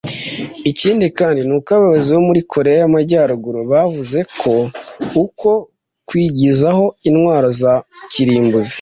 Ikindi kandi nuko abayobozi bo muri Koreya y’Amajyaruguru bavuze ko uko kwigwizaho intwaro za kirimbuzi